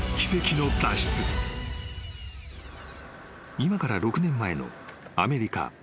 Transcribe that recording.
［今から６年前の］